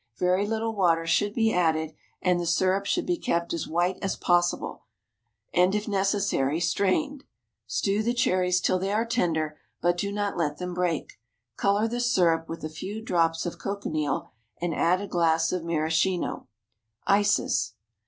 Very little water should be added, and the syrup should be kept as white as possible, and, if necessary, strained. Stew the cherries till they are tender, but do not let them break. Colour the syrup with a few drops of cochineal, and add a glass of maraschino. ICES.